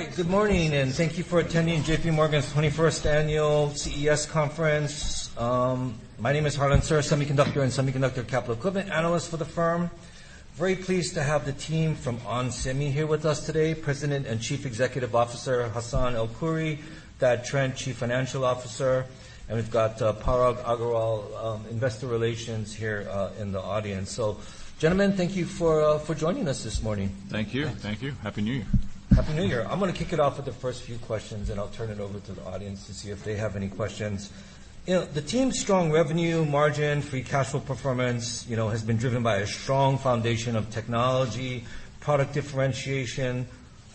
All right. Good morning, and thank you for attending JPMorgan's 21st Annual CES Conference. My name is Harlan Sur, Semiconductor and Semiconductor Capital Equipment analyst for the firm. Very pleased to have the team from onsemi here with us today, President and Chief Executive Officer, Hassan El Khoury, Thad Trent, Chief Financial Officer, and we've got Parag Agarwal, Investor Relations here in the audience. Gentlemen, thank you for joining us this morning. Thank you. Happy New Year. Happy New Year. I'm gonna kick it off with the first few questions, and I'll turn it over to the audience to see if they have any questions. You know, the team's strong revenue margin, free cash flow performance, you know, has been driven by a strong foundation of technology, product differentiation,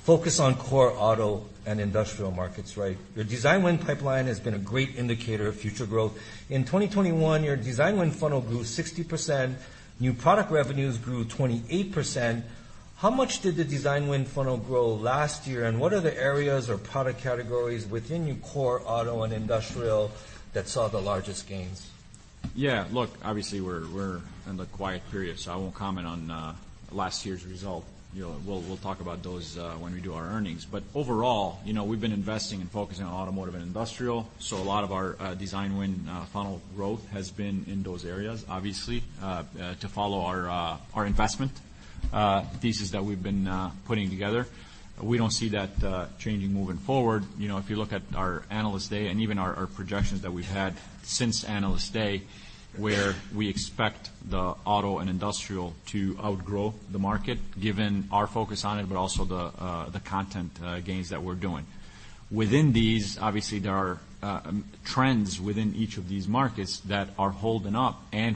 focus on core auto and industrial markets, right? Your design win pipeline has been a great indicator of future growth. In 2021, your design win funnel grew 60%, new product revenues grew 28%. How much did the design win funnel grow last year, and what are the areas or product categories within your core auto and industrial that saw the largest gains? Look, obviously, we're in the quiet period, so I won't comment on last year's result. You know, we'll talk about those when we do our earnings. Overall, you know, we've been investing and focusing on automotive and industrial, so a lot of our design win funnel growth has been in those areas, obviously, to follow our investment thesis that we've been putting together. We don't see that changing moving forward. You know, if you look at our Analyst Day and even our projections that we've had since Analyst Day, where we expect the auto and industrial to outgrow the market, given our focus on it, but also the content gains that we're doing. Within these, obviously, there are trends within each of these markets that are holding up and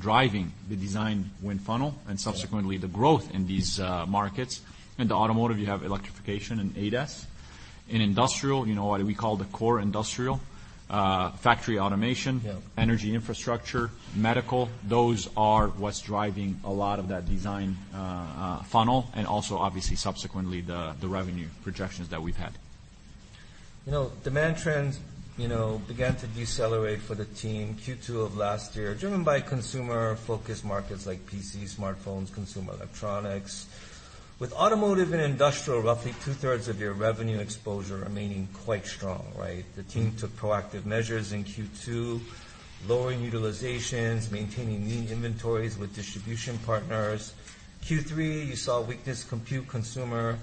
driving the design win funnel and subsequently the growth in these markets. In the automotive, you have electrification and ADAS. In industrial, you know, what we call the core industrial, factory automation energy infrastructure, medical. Those are what's driving a lot of that design funnel, and also obviously subsequently the revenue projections that we've had. You know, demand trends, you know, began to decelerate for the team Q2 of last year, driven by consumer-focused markets like PCs, smartphones, consumer electronics. With automotive and industrial, roughly 2/3 of your revenue exposure remaining quite strong, right? The team took proactive measures in Q2, lowering utilizations, maintaining lean inventories with distribution partners. Q3, you saw weakness compute consumer,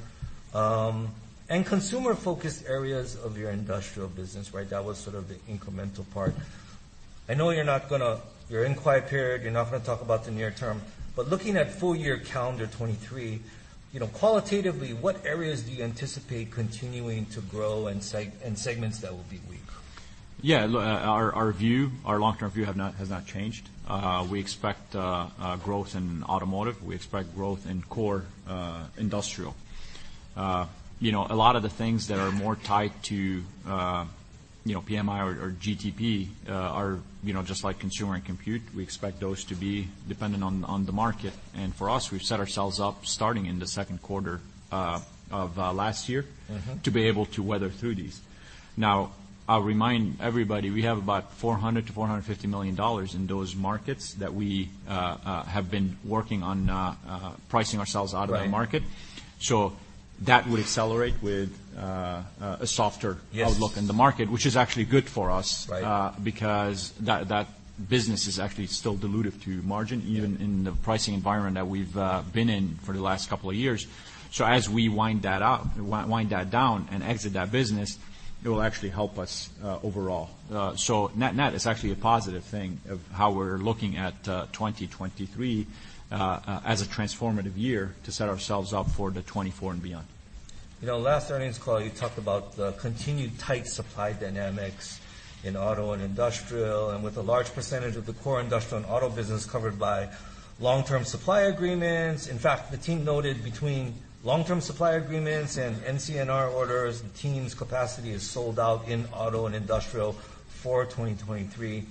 and consumer-focused areas of your industrial business, right? That was sort of the incremental part. I know you're not gonna. You're in quiet period. You're not gonna talk about the near term. Looking at full year calendar 2023, you know, qualitatively, what areas do you anticipate continuing to grow and segments that will be weak? Look, our view, our long-term view has not changed. We expect growth in automotive. We expect growth in core industrial. You know, a lot of the things that are more tied to, you know, PMI or GDP, are just like consumer and compute. We expect those to be dependent on the market. For us, we've set ourselves up starting in the second quarter of last year to be able to weather through these. Now, I'll remind everybody, we have about $400 million to $450 million in those markets that we have been working on pricing ourselves out of the market. That would accelerate with outlook in the market, which is actually good for us because that business is actually still dilutive to your margin even in the pricing environment that we've been in for the last couple of years. As we wind that down and exit that business, it will actually help us overall. Net, net, it's actually a positive thing of how we're looking at 2023 as a transformative year to set ourselves up for 2024 and beyond. You know, last earnings call, you talked about the continued tight supply dynamics in auto and industrial, and with a large percentage of the core industrial and auto business covered by long-term supply agreements. In fact, the team noted between long-term supply agreements and NCNR orders, the team's capacity is sold out in auto and industrial for 2023.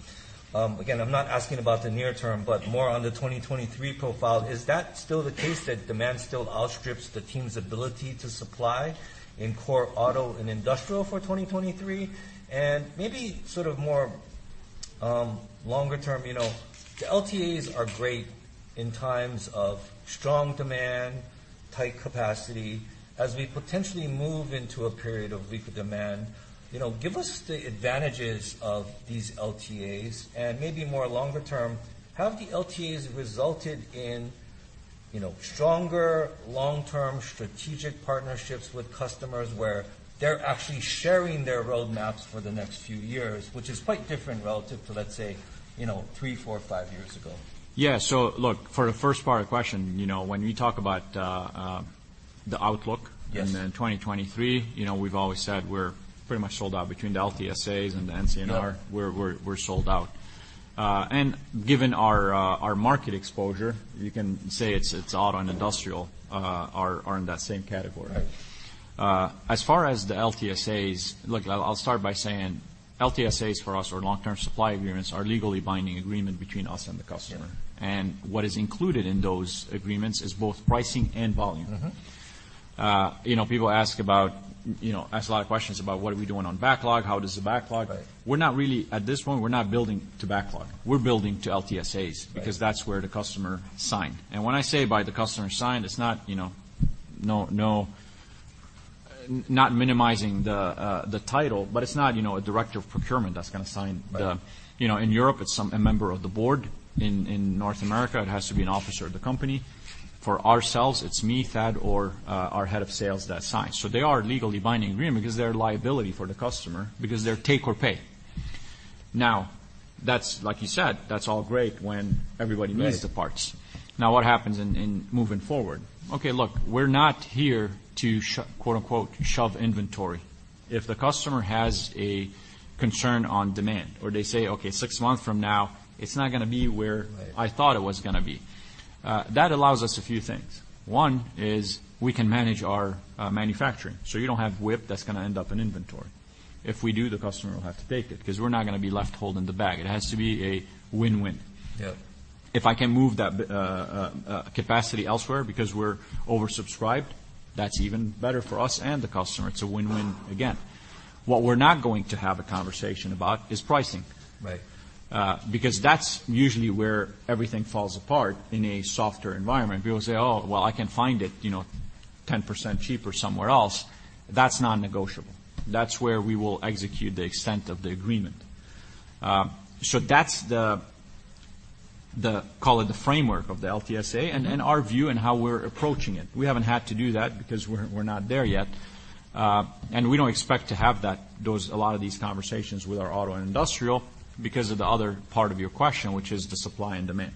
Again, I'm not asking about the near term, but more on the 2023 profile. Is that still the case that demand still outstrips the team's ability to supply in core auto and industrial for 2023? Maybe sort of more, longer term, you know, the LTAs are great in times of strong demand, tight capacity. As we potentially move into a period of weaker demand, you know, give us the advantages of these LTAs, and maybe more longer term, have the LTAs resulted in, you know, stronger long-term strategic partnerships with customers where they're actually sharing their roadmaps for the next few years, which is quite different relative to, let's say, you know, three, four, five years ago? Look, for the first part of the question, you know, when we talk about the outlook 2023, you know, we've always said we're pretty much sold out between the LTSAs and the NCNR. We're sold out. Given our market exposure, you can say it's auto and industrial are in that same category. As far as the LTSAs, look, I'll start by saying LTSAs for us or long-term supply agreements are legally binding agreement between us and the customer. What is included in those agreements is both pricing and volume, you know, people ask about, you know, ask a lot of questions about what are we doing on backlog? At this point, we're not building to backlog. We're building to LTSAs because that's where the customer signed. When I say by the customer signed, it's not, you know, Not minimizing the title, but it's not, you know, a director of procurement that's gonna sign the, You know, in Europe, it's a member of the Board. In North America, it has to be an officer of the company. For ourselves, it's me, Thad, or our head of sales that signs. They are a legally binding agreement 'cause they're a liability for the customer because they're take or pay. That's like you said, that's all great when everybody needs the parts, what happens in moving forward? Okay, look, we're not here to quote-unquote, "shove inventory." If the customer has a concern on demand or they say, "Okay, six months from now, it's not gonna be where I thought it was gonna be," that allows us a few things. One is we can manage our manufacturing, so you don't have WIP that's gonna end up in inventory. If we do, the customer will have to take it 'cause we're not gonna be left holding the bag. It has to be a win-win. If I can move that capacity elsewhere because we're oversubscribed, that's even better for us and the customer. It's a win-win again. What we're not going to have a conversation about is pricing because that's usually where everything falls apart in a softer environment. People say, "Oh, well, I can find it 10% cheaper somewhere else." That's non-negotiable. That's where we will execute the extent of the agreement. That's the call it the framework of the LTSA and our view and how we're approaching it. We haven't had to do that because we're not there yet, and we don't expect to have those, a lot of these conversations with our auto and industrial because of the other part of your question, which is the supply and demand.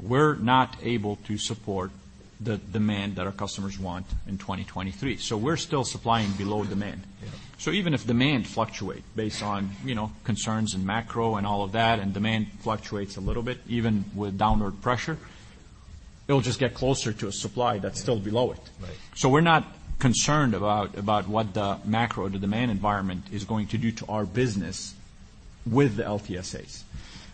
We're not able to support the demand that our customers want in 2023. We're still supplying below demand even if demand fluctuates based on, you know, concerns in macro and all of that, and demand fluctuates a little bit, even with downward pressure, it'll just get closer to a supply that's still below it. We're not concerned about what the macro, the demand environment is going to do to our business with the LTSAs,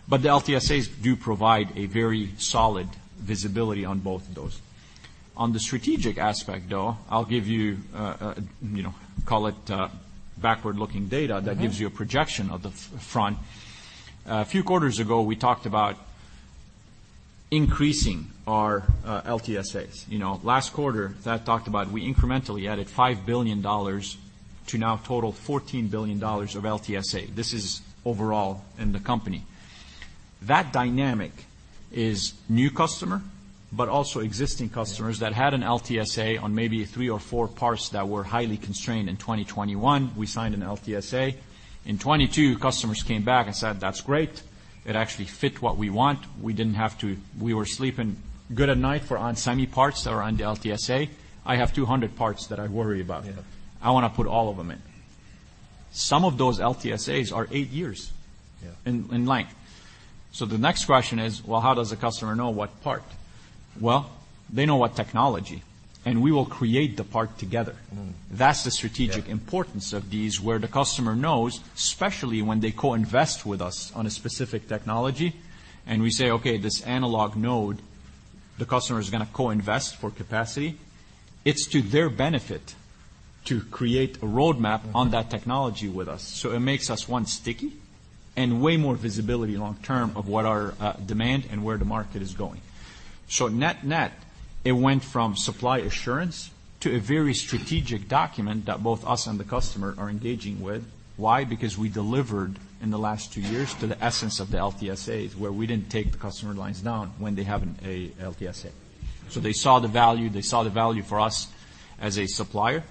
but the LTSAs do provide a very solid visibility on both of those. On the strategic aspect, though, I'll give you know, call it backward-looking data that gives you a projection of the front. A few quarters ago, we talked about increasing our LTSAs. You know, last quarter, Thad talked about we incrementally added $5 billion to now total $14 billion of LTSA. This is overall in the company. That dynamic is new customer, but also existing customers that had an LTSA on maybe three or four parts that were highly constrained in 2021. We signed an LTSA. In 2022, customers came back and said, "That's great. It actually fit what we want. We were sleeping good at night for Onsemi parts that are on the LTSA. I have 200 parts that I worry about. I wanna put all of them in." Some of those LTSAs are 8 years in length. The next question is, well, how does a customer know what part? Well, they know what technology, and we will create the part together. That's the strategic importance of these, where the customer knows, especially when they co-invest with us on a specific technology, and we say, "Okay, this analog node, the customer is gonna co-invest for capacity," it's to their benefit to create a roadmap on that technology with us. It makes us, one, sticky and way more visibility long term of what our demand and where the market is going. Net-net, it went from supply assurance to a very strategic document that both us and the customer are engaging with. Why? Because we delivered in the last two years to the essence of the LTSAs, where we didn't take the customer lines down when they have a LTSA. They saw the value. They saw the value for us as a supplier,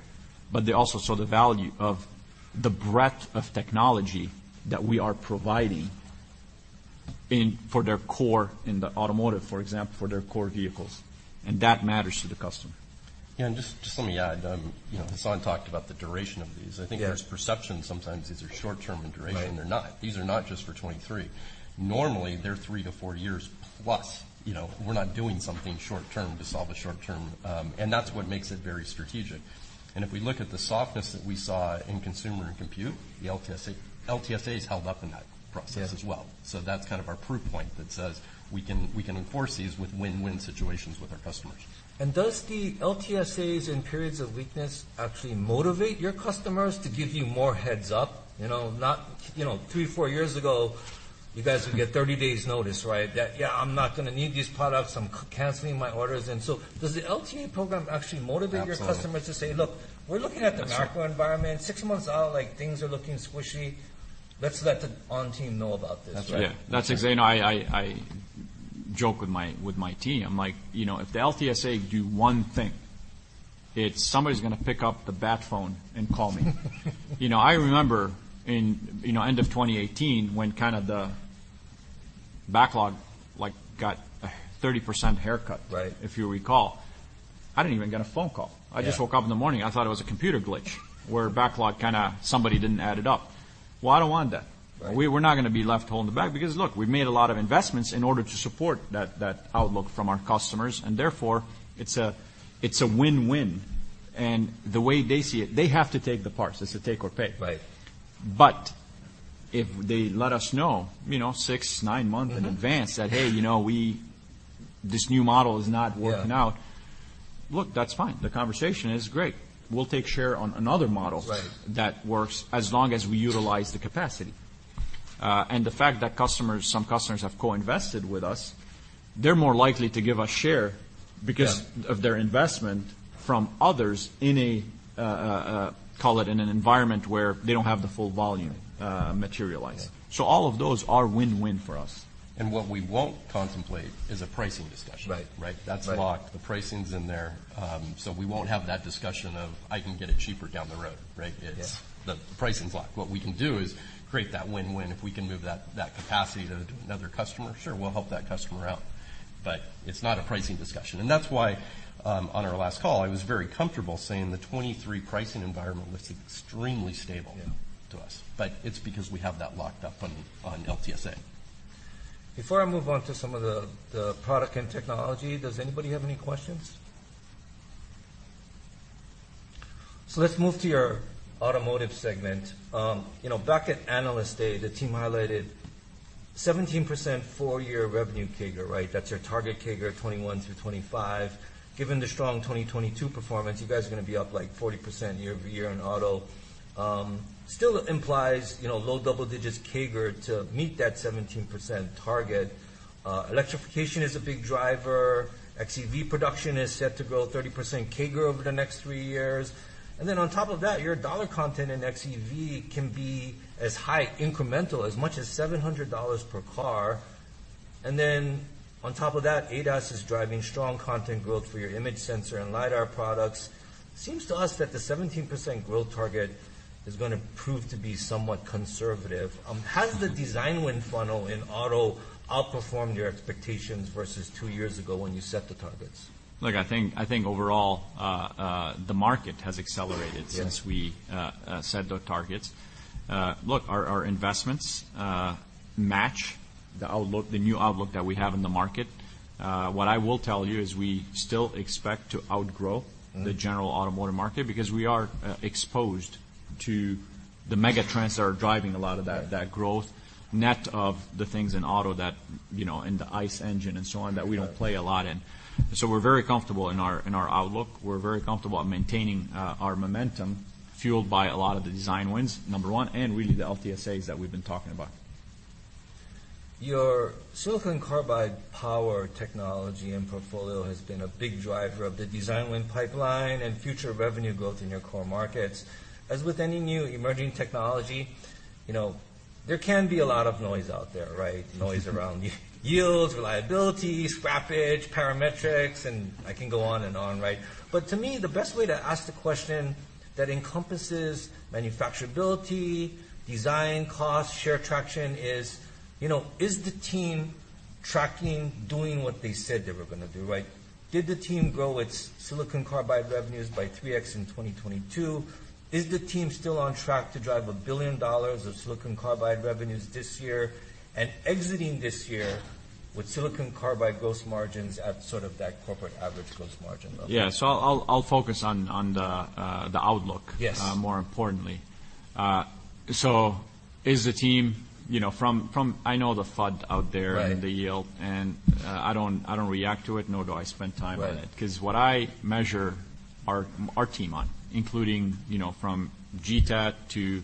but they also saw the value of the breadth of technology that we are providing for their core in the automotive, for example, for their core vehicles, and that matters to the customer. Just let me add. Hassan talked about the duration of these. I think there's perception sometimes these are short term in duration. They're not. These are not just for '23. Normally, they're three to 4 years+. We're not doing something short-term to solve a short-term, and that's what makes it very strategic. If we look at the softness that we saw in consumer and compute, the LTSAs held up in that process as well. That's our proof point that says we can enforce these with win-win situations with our customers. Does the LTSAs in periods of weakness actually motivate your customers to give you more heads-up? Not three, four years ago, you guys would get 30 days notice, right? That, "I'm not gonna need these products. I'm canceling my orders," and so does the LTSA program actually motivate your customers to say, "Look, we're looking at the macro environment. Six months out, like, things are looking squishy. Let's let the On team know about this." Right? That's right. I joke with my team. I'm like, "If the LTSA do one thing, it's somebody's gonna pick up the bat phone and call me." I remember in end of 2018 when the backlog got a 30% haircut if you recall. I didn't even get a phone call. I just woke up in the morning. I thought it was a computer glitch, where backlog kinda, somebody didn't add it up. Well, I don't want that. We're not gonna be left holding the bag because, look, we've made a lot of investments in order to support that outlook from our customers, and therefore, it's a, it's a win-win. The way they see it, they have to take the parts. It's a take-or-pay. If they let us know six, nine months in advance that, "Hey, this new model is not working out," look, that's fine. The conversation is great. We'll take share on another model that works as long as we utilize the capacity. The fact that some customers have co-invested with us, they're more likely to give us share because of their investment from others in a, call it in an environment where they don't have the full volume, materialized all of those are win-win for us. What we won't contemplate is a pricing discussion. Right? That's locked. The pricing's in there. We won't have that discussion of I can get it cheaper down the road, right? It's the pricing's locked. What we can do is create that win-win. If we can move that capacity to another customer, sure, we'll help that customer out, but it's not a pricing discussion. That's why on our last call, I was very comfortable saying the 2023 pricing environment looks extremely stable to us. It's because we have that locked up on LTSA. Before I move on to some of the product and technology, does anybody have any questions? Let's move to your automotive segment. you know, back at Analyst Day, the team highlighted 17% four-year revenue CAGR, right? That's your target CAGR 2021 through 2025. Given the strong 2022 performance, you guys are gonna be up, like, 40% year-over-year in auto. still implies, you know, low double digits CAGR to meet that 17% target. Electrification is a big driver. XEV production is set to grow 30% CAGR over the next three years. Then on top of that, your dollar content in XEV can be as high, incremental as much as $700 per car. Then on top of that, ADAS is driving strong content growth for your image sensor and LIDAR products. Seems to us that the 17% growth target is gonna prove to be somewhat conservative. Has the design win funnel in auto outperformed your expectations versus two years ago when you set the targets? Look, I think overall, the market has accelerated since we set the targets. Look, our investments match the outlook, the new outlook that we have in the market. What I will tell you is we still expect to outgrow the general automotive market because we are exposed to the mega trends that are driving a lot of that growth net of the things in auto that, you know, in the ICE engine and so on that we don't play a lot in. We're very comfortable in our outlook. We're very comfortable at maintaining our momentum fueled by a lot of the design wins, number one, and really the LTSAs that we've been talking about. Your silicon carbide power technology and portfolio has been a big driver of the design win pipeline and future revenue growth in your core markets. As with any new emerging technology, you know, there can be a lot of noise out there, right? Noise around the yields, reliability, scrappage, parametrics, and I can go on and on, right? To me, the best way to ask the question that encompasses manufacturability, design costs, share traction is, you know, is the team tracking doing what they said they were gonna do, right? Did the team grow its silicon carbide revenues by 3x in 2022? Is the team still on track to drive $1 billion of silicon carbide revenues this year and exiting this year with silicon carbide gross margins at sort of that corporate average gross margin level? I'll focus on the outlook more importantly. Is the team, I know the FUD out there. The yield, and I don't react to it, nor do I spend time on it 'cause what I measure our team on, including from GTAT to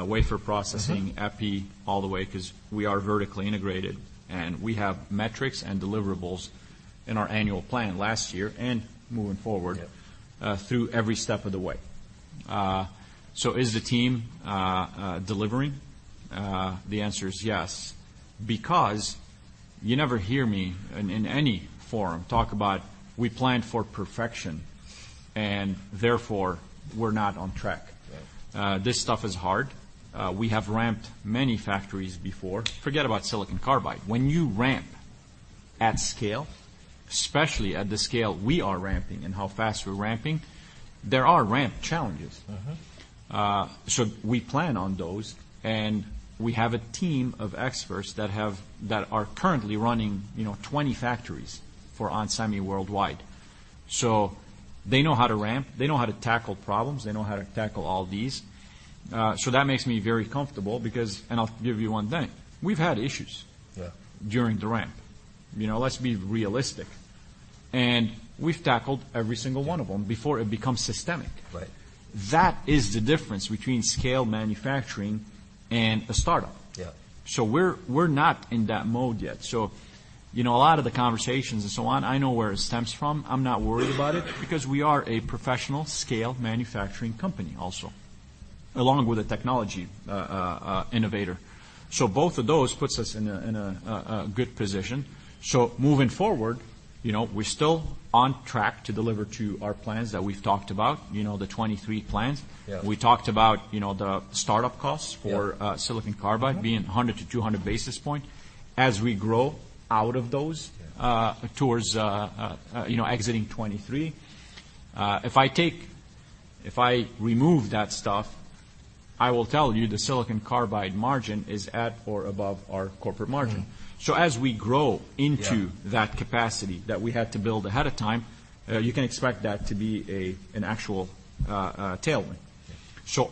wafer processing. Epi all the way 'cause we are vertically integrated, and we have metrics and deliverables in our annual plan last year and moving forward through every step of the way. Is the team delivering? The answer is yes, because you never hear me in any forum talk about we planned for perfection, and therefore we're not on track. This stuff is hard. We have ramped many factories before. Forget about silicon carbide. When you ramp at scale, especially at the scale we are ramping and how fast we're ramping, there are ramp challenges. We plan on those, and we have a team of experts that are currently running, you know, 20 factories for Onsemi worldwide. They know how to ramp. They know how to tackle problems. They know how to tackle all these. That makes me very comfortable because. I'll give you one thing. We've had issues during the ramp. You know, let's be realistic. We've tackled every single one of them before it becomes systemic. That is the difference between scale manufacturing and a startup. We're not in that mode yet. You know, a lot of the conversations and so on, I know where it stems from. I'm not worried about it because we are a professional scale manufacturing company also, along with a technology innovator. Both of those puts us in a good position. Moving forward, you know, we're still on track to deliver to our plans that we've talked about, you know, the 2023 plans. We talked about, you know, the startup costs for silicon carbide being 100-200 basis point towards, you know, exiting 2023, if I remove that stuff, I will tell you the silicon carbide margin is at or above our corporate margin as we grow. That capacity that we had to build ahead of time, you can expect that to be an actual tailwind.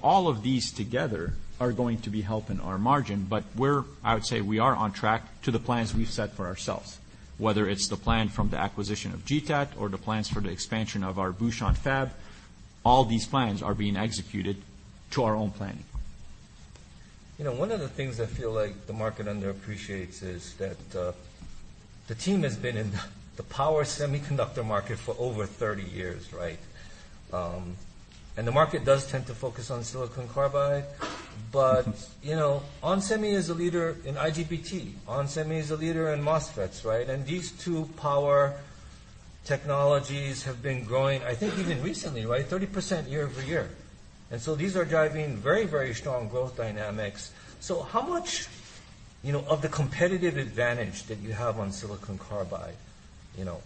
All of these together are going to be helping our margin. I would say we are on track to the plans we've set for ourselves, whether it's the plan from the acquisition of GTAT or the plans for the expansion of our Bucheon fab. All these plans are being executed to our own planning. One of the things I feel like the market underappreciates is that the team has been in the power semiconductor market for over 30 years, right? The market does tend to focus on silicon carbide. Onsemi is a leader in IGBT. Onsemi is a leader in MOSFETs, right? These two power technologies have been growing, I think, even recently, right? 30% year-over-year. These are driving very, very strong growth dynamics. How much, you know, of the competitive advantage that you have on silicon carbide, you know,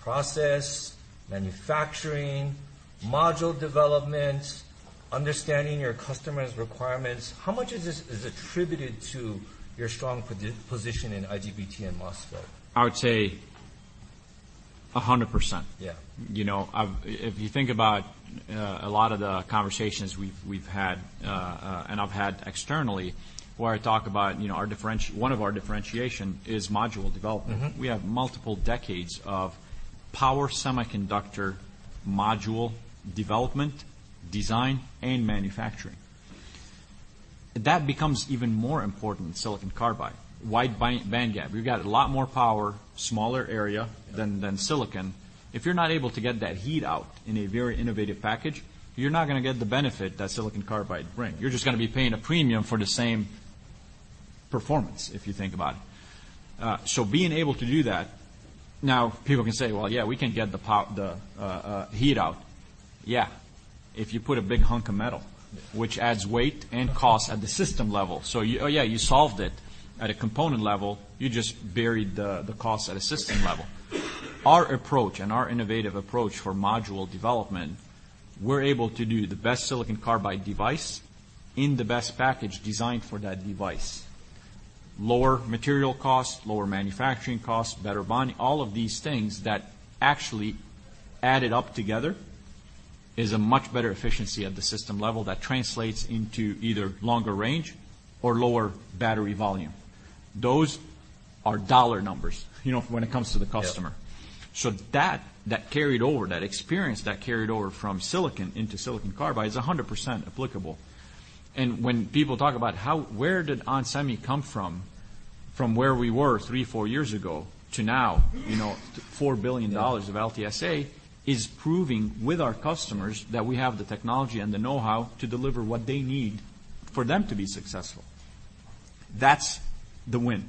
process, manufacturing, module development, understanding your customer's requirements, how much of this is attributed to your strong position in IGBT and MOSFET? I would say 100%. You know, if you think about a lot of the conversations we've had, and I've had externally where I talk about, you know, one of our differentiation is module development. We have multiple decades of power semiconductor module development, design, and manufacturing. That becomes even more important in silicon carbide. Wide bandgap. We've got a lot more power, smaller area than silicon. If you're not able to get that heat out in a very innovative package, you're not gonna get the benefit that silicon carbide bring. You're just gonna be paying a premium for the same performance if you think about it. Being able to do that, now people can say, "Well, we can get the heat out." If you put a big hunk of metal, which adds weight and cost at the system level. You solved it at a component level. You just buried the cost at a system level. Our approach and our innovative approach for module development, we're able to do the best silicon carbide device in the best package designed for that device. Lower material costs, lower manufacturing costs, better bonding, all of these things that actually added up together is a much better efficiency at the system level that translates into either longer range or lower battery volume. Those are dollar numbers, you know, when it comes to the customer. That carried over, that experience that carried over from silicon into silicon carbide is 100% applicable. When people talk about where did onsemi come from where we were 3, 4 years ago to now, you know, $4 billion of LTSA is proving with our customers that we have the technology and the know-how to deliver what they need for them to be successful. That's the win.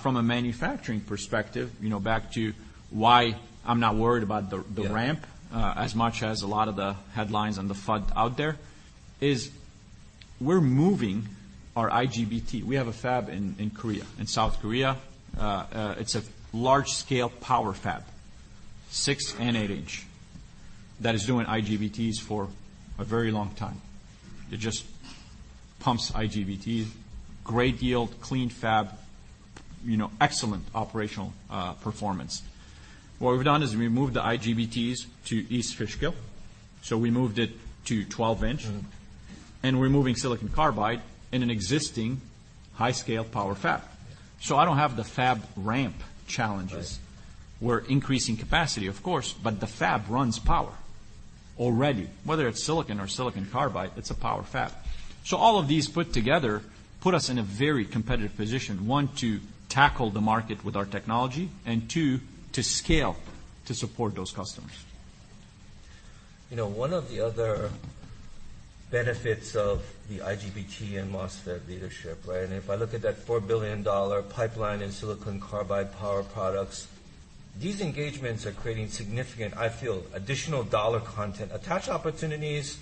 From a manufacturing perspective, you know, back to why I'm not worried about the ramp, as much as a lot of the headlines and the FUD out there is we're moving our IGBT. We have a fab in Korea, in South Korea. It's a large-scale power fab, 6 and 8 inch, that is doing IGBTs for a very long time. It just pumps IGBT, great yield, clean fab, you know, excellent operational performance. What we've done is we moved the IGBTs to East Fishkill, so we moved it to 12 inch. We're moving silicon carbide in an existing high-scale power fab. I don't have the fab ramp challenges. We're increasing capacity, of course, but the fab runs power already. Whether it's silicon or silicon carbide, it's a power fab. All of these put together put us in a very competitive position. One, to tackle the market with our technology, and two, to scale to support those customers. One of the other benefits of the IGBT and MOSFET leadership, right? If I look at that $4 billion pipeline in silicon carbide power products, these engagements are creating significant, I feel, additional dollar content, attach opportunities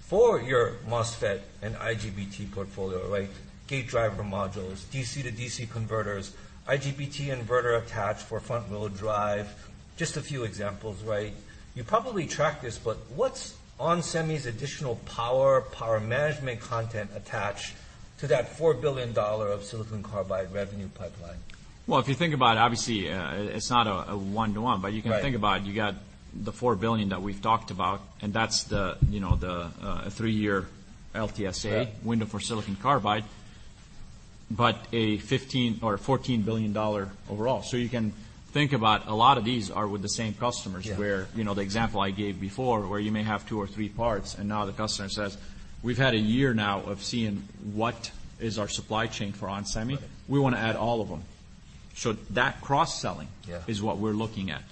for your MOSFET and IGBT portfolio, right? Gate driver modules, DC-to-DC converters, IGBT inverter attached for front wheel drive. Just a few examples, right? You probably track this, but what's onsemi's additional power management content attached to that $4 billion of silicon carbide revenue pipeline? Well, if you think about it, obviously, it's not a one-to-one. Right. You can think about it. You got the $4 billion that we've talked about, and that's the, you know, the a three-year LTSA window for silicon carbide, but a $15 billion or $14 billion overall. You can think about a lot of these are with the same customers where, you know, the example I gave before, where you may have two or three parts, and now the customer says, "We've had a year now of seeing what is our supply chain for onsemi. We wanna add all of them." That cross-selling is what we're looking at.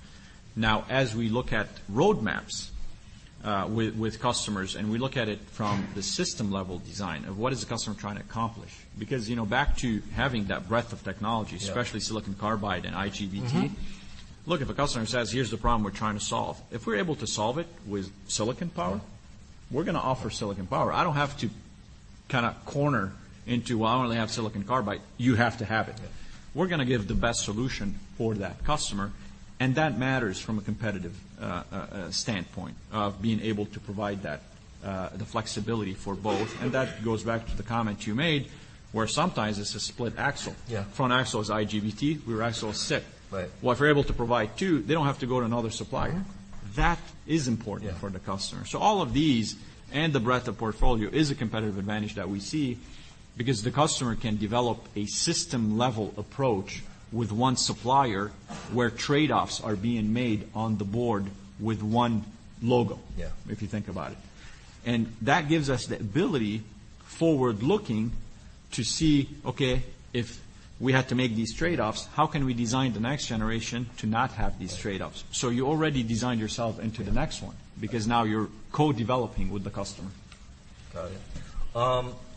As we look at roadmaps with customers, we look at it from the system level design of what is the customer trying to accomplish. You know, back to having that breadth of technology especially silicon carbide and IGBT. Look, if a customer says, "Here's the problem we're trying to solve," if we're able to solve it with silicon power, we're gonna offer silicon power. I don't have to kinda corner into, "Well, I only have silicon carbide. You have to have it. We're gonna give the best solution for that customer, and that matters from a competitive standpoint of being able to provide that the flexibility for both. That goes back to the comment you made, where sometimes it's a split axle, front axle is IGBT. Rear axle is SiC. Well, if we're able to provide two, they don't have to go to another supplier. That is important for the customer. All of these and the breadth of portfolio is a competitive advantage that we see because the customer can develop a system-level approach with one supplier where trade-offs are being made on the board with one if you think about it. That gives us the ability, forward-looking, to see, okay, if we had to make these trade-offs, how can we design the next generation to not have these trade-offs? You already designed yourself into the next one because now you're co-developing with the customer. Got it.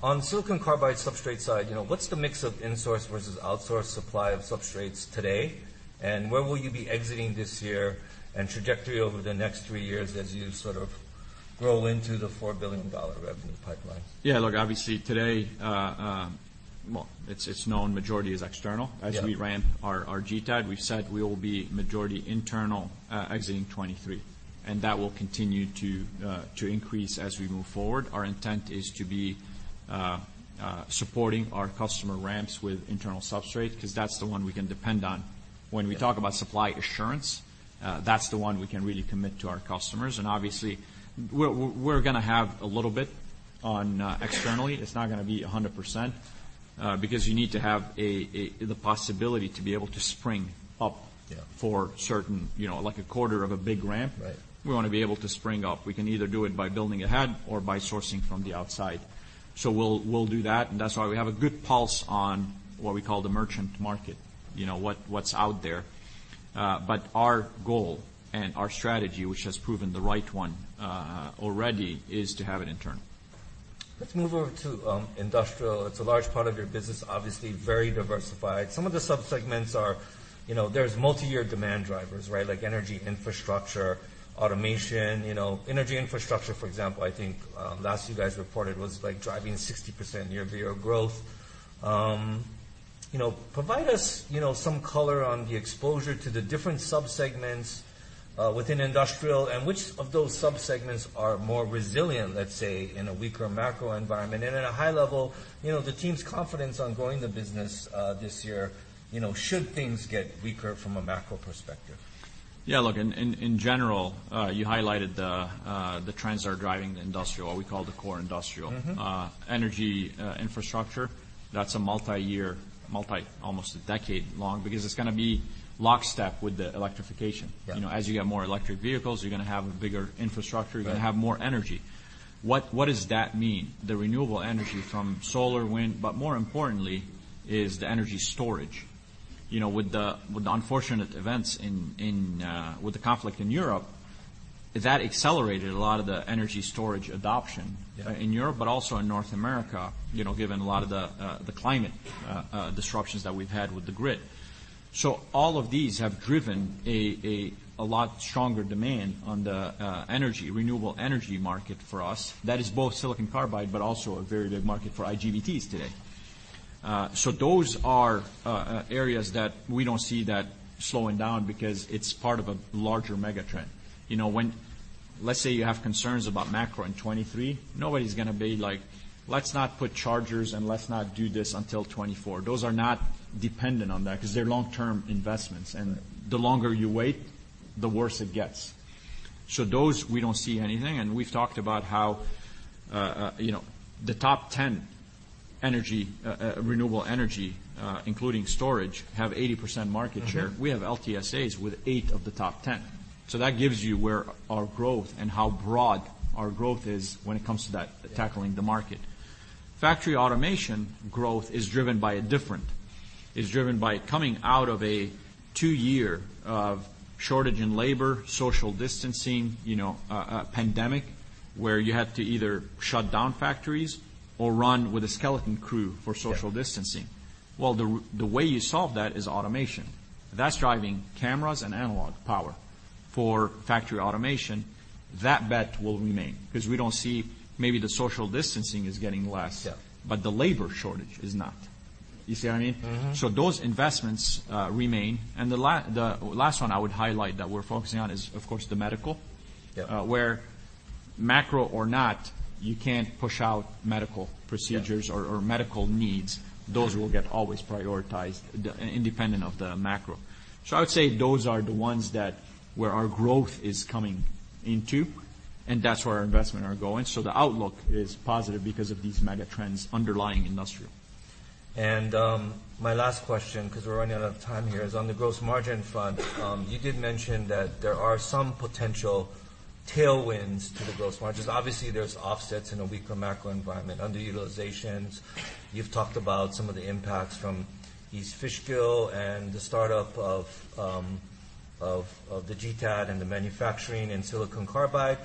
On silicon carbide substrate side, you know, what's the mix of insource versus outsource supply of substrates today? Where will you be exiting this year and trajectory over the next three years as you sort of grow into the $4 billion revenue pipeline? Look, obviously today, well, it's known majority is external. As we ran our GTAT, we've said we will be majority internal, exiting 2023, and that will continue to increase as we move forward. Our intent is to be supporting our customer ramps with internal substrate 'cause that's the one we can depend on. When we talk about supply assurance, that's the one we can really commit to our customers. Obviously we're gonna have a little bit on externally. It's not gonna be 100%, because you need to have a the possibility to be able to spring up for certain, you know, like a quarter of a big ramp. Right. We wanna be able to spring up. We can either do it by building ahead or by sourcing from the outside. We'll do that, and that's why we have a good pulse on what we call the merchant market, you know, what's out there. Our goal and our strategy, which has proven the right one, already, is to have it internal. Let's move over to, industrial. It's a large part of your business, obviously, very diversified. Some of the sub-segments are, you know, there's multi-year demand drivers, right? Like energy infrastructure, automation, you know. Energy infrastructure, for example, I think, last you guys reported was, like, driving 60% year-over-year growth. You know, provide us, you know, some color on the exposure to the different sub-segments, within industrial and which of those sub-segments are more resilient, let's say, in a weaker macro environment. At a high level, you know, the team's confidence on growing the business, this year, you know, should things get weaker from a macro perspective. Look, in general, you highlighted the trends that are driving the industrial, what we call the core industrial. Energy infrastructure, that's a multi-year, multi almost a decade long because it's gonna be lockstep with the electrification. You know, as you get more electric vehicles, you're gonna have a bigger infrastructure. You're gonna have more energy. What does that mean? The renewable energy from solar, wind, but more importantly is the energy storage. With the unfortunate events in with the conflict in Europe, that accelerated a lot of the energy storage adoption in Europe, but also in North America, you know, given a lot of the climate disruptions that we've had with the grid. All of these have driven a lot stronger demand on the energy, renewable energy market for us. That is both silicon carbide, but also a very big market for IGBTs today. Those are areas that we don't see that slowing down because it's part of a larger mega trend. You know, let's say you have concerns about macro in 2023, nobody's gonna be like, "Let's not put chargers and let's not do this until 2024." Those are not dependent on that because they're long-term investments. The longer you wait, the worse it gets. Those, we don't see anything, and we've talked about how the top 10 energy, renewable energy, including storage, have 80% market share. We have LTSAs with eight of the top 10. That gives you where our growth and how broad our growth is when it comes to that tackling the market. Factory automation growth is driven by coming out of a 2-year of shortage in labor, social distancing, you know, a pandemic where you had to either shut down factories or run with a skeleton crew for social distancing. Well, the way you solve that is automation. That's driving cameras and analog power. For factory automation, that bet will remain, because we don't see maybe the social distancing is getting less the labor shortage is not. You see what I mean? Those investments remain. The last one I would highlight that we're focusing on is, of course, the medical. Where macro or not, you can't push out medical procedures or medical needs. Those will get always prioritized independent of the macro. I would say those are the ones that where our growth is coming into, and that's where our investment are going. The outlook is positive because of these mega trends underlying industrial. My last question, 'cause we're running out of time here, is on the gross margin front. You did mention that there are some potential tailwinds to the gross margins. Obviously, there's offsets in a weaker macro environment, underutilizations. You've talked about some of the impacts from East Fishkill and the startup of the GTAT and the manufacturing in silicon carbide.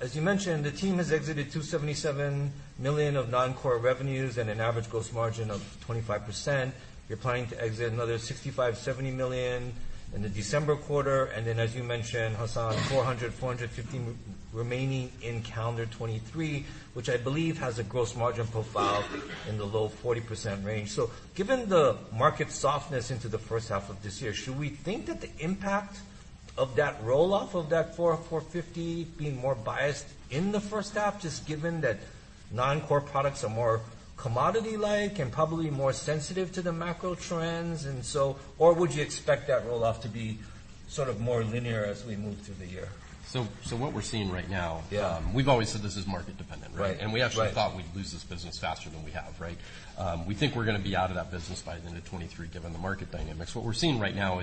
As you mentioned, the team has exited $277 million of non-core revenues and an average gross margin of 25%. You're planning to exit another $65 million to $70 million in the December quarter. Then, as you mentioned, Hassan, $400 million to $450 million remaining in calendar 2023, which I believe has a gross margin profile in the low 40% range. Given the market softness into the first half of this year, should we think that the impact of that roll-off of that $450 being more biased in the first half just given that non-core products are more commodity-like and probably more sensitive to the macro trends and so? Would you expect that roll-off to be sort of more linear as we move through the year? What we're seeing right now, we've always said this is market dependent, right? Right. Right. We actually thought we'd lose this business faster than we have, right? We think we're gonna be out of that business by the end of 2023 given the market dynamics. We're seeing right now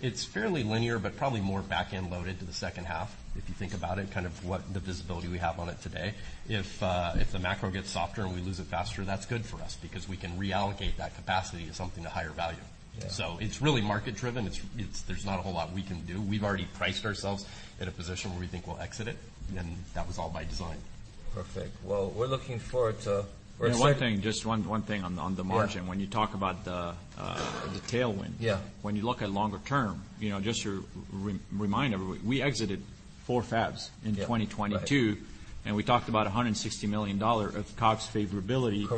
it's fairly linear but probably more back-end loaded to the second half if you think about it, kind of what the visibility we have on it today. If the macro gets softer and we lose it faster, that's good for us because we can reallocate that capacity to something of higher value. It's really market driven. It's, there's not a whole lot we can do. We've already priced ourselves at a position where we think we'll exit it, and that was all by design. Perfect. Well, we're looking forward. One thing, just one thing on the margin. When you talk about the tailwind when you look at longer term, you know, just to remind everybody, we exited four fabs in 2022 we talked about $160 million of COGS favorability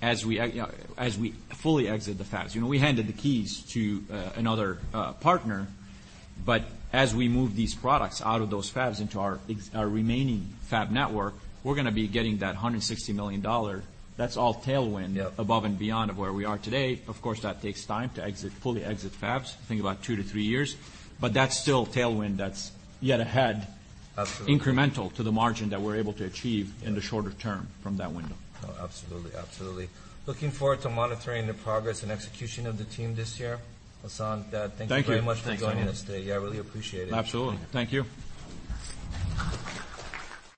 as we, you know, as we fully exit the fabs. You know, we handed the keys to another partner. As we move these products out of those fabs into our remaining fab network, we're gonna be getting that $160 million. That's all tailwind above and beyond of where we are today. Of course, that takes time to exit, fully exit fabs, think about 2-3 years, but that's still tailwind that's yet ahead incremental to the margin that we're able to achieve in the shorter term from that window. Oh, absolutely. Looking forward to monitoring the progress and execution of the team this year. Hassan, thank you very much for joining us today. Thanks, Harlan. I really appreciate it. Absolutely. Thank you.